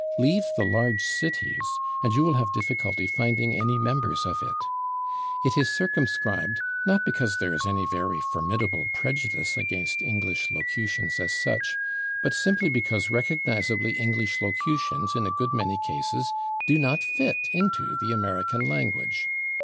Leave the large cities and you will have difficulty finding any members of it. It is circumscribed, not because there is any very formidable prejudice against English locutions as such, [Pg139] but simply because recognizably English locutions, in a good many cases, do not fit into the American language.